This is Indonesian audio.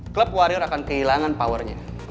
klub warrior akan kehilangan powernya